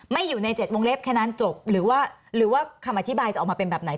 ไม่อยู่ใน๗วงเล็บแค่นั้นจบหรือว่าหรือว่าคำอธิบายจะออกมาเป็นแบบไหน